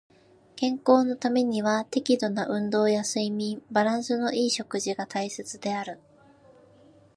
健康のためには適度な運動や睡眠、バランスの良い食事が大切である。